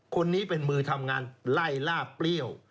คนนี้เป็นมือทำงานไล่ล่าเปรี้ยว